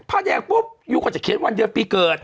ผ้าแดงปุ๊บอยู่กว่าจะเคล็ดวันเดือนปีเกิด